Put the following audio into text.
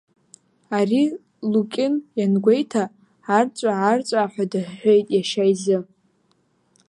Ари Лукьын иангәеиҭа арҵәаа-арҵәааҳәа дыҳәҳәеит иашьа изы.